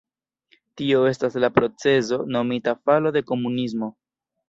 Tio estas la procezo nomita falo de komunismo.